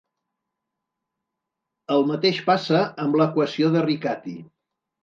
El mateix passa amb l'equació de Riccati.